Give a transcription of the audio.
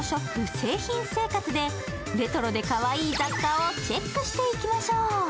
誠品生活でレトロでかわいい雑貨をチェックしていきましょう。